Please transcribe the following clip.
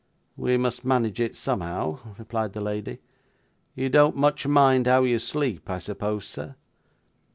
'We must manage it somehow,' replied the lady. 'You don't much mind how you sleep, I suppose, sir?